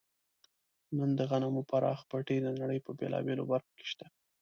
نن د غنمو پراخ پټي د نړۍ په بېلابېلو برخو کې شته.